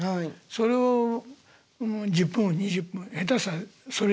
それを１０分２０分下手したらそれ以上いかないと。